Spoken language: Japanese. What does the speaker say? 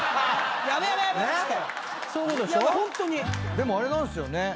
でもあれなんすよね。